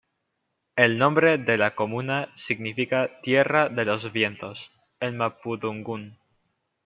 El nombre de la comuna significa "tierra de los vientos" en mapudungun.